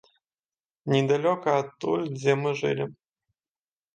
Недалёка адтуль, дзе мы жылі.